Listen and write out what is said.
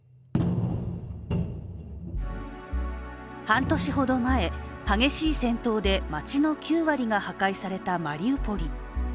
半年ほど前、激しい戦闘で街の９割が破壊されたマリウポリ。